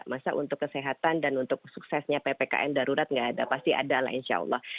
masa untuk kesehatan dan untuk suksesnya ppkm darurat nggak ada pasti ada lah insya allah